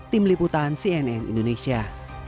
tim liputan cnn indonesia